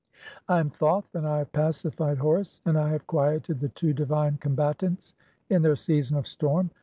"I am Thoth, and I have pacified Horus, and I have quieted "the two (20) divine Combatants in their season of storm.